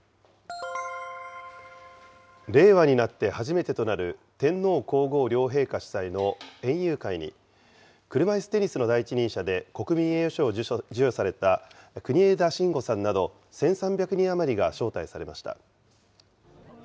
令和になって初めてとなる天皇皇后両陛下主催の園遊会に、車いすテニスの第一人者で国民栄誉賞を授与された国枝慎吾さんなど、１３００人余りが招待されました。